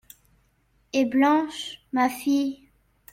Et Blanche… ma fille ?…